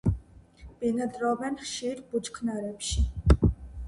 ბინადრობენ ხშირ ბუჩქნარებში.